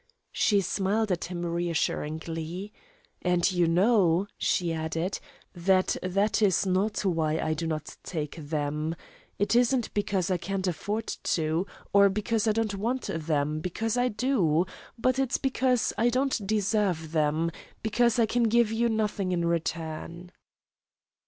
She smiled at him reassuringly. "And you know," she added, "that that is not why I do not take them. It isn't because I can't afford to, or because I don't want them, because I do; but it's because I don't deserve them, because I can give you nothing in return."